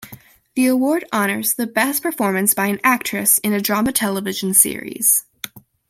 The award honors the best performance by an actress in a drama television series.